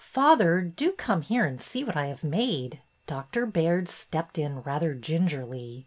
Father, do come here and see what I have made." Dr. Baird stepped in rather gingerly.